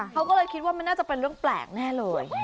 เขาก็เลยคิดว่ามันน่าจะเป็นเรื่องแปลกแน่เลย